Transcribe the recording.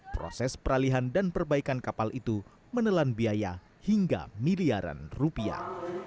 proses peralihan dan perbaikan kapal itu menelan biaya hingga miliaran rupiah